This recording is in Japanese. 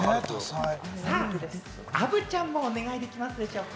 アヴちゃんもお願いできますでしょうか。